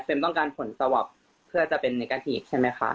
เฟรมต้องการผลสวัสดิ์เพื่อจะเป็นเนกาทีใช่ไหมคะ